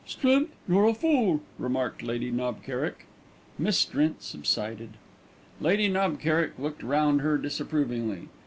"Strint, you're a fool!" remarked Lady Knob Kerrick. Miss Strint subsided. Lady Knob Kerrick looked round her disapprovingly.